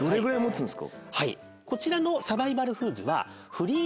はいこちらのサバイバルフーズは。